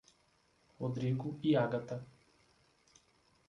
Rodrigo e Agatha